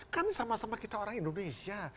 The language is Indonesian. kan sama sama kita orang indonesia